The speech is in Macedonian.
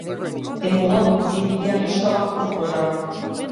Те молам, земи ги алиштава како подарок.